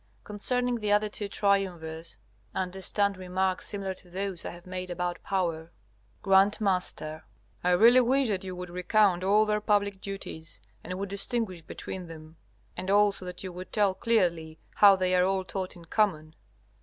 Concerning the other two triumvirs, understand remarks similar to those I have made about Power. G.M. I really wish that you would recount all their public duties, and would distinguish between them, and also that you would tell clearly how they are all taught in common.